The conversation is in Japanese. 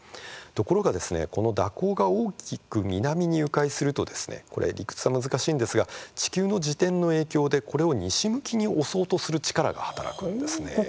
ところが、この蛇行が大きく南に、う回するとこれ、理屈は難しいんですが地球の自転の影響でこれを西向きに押そうとする力が働くんですね。